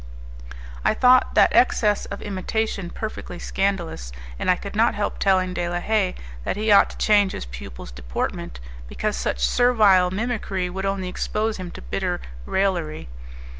I thought that excess of imitation perfectly scandalous, and I could not help telling De la Haye that he ought to change his pupil's deportment, because such servile mimicry would only expose him to bitter raillery.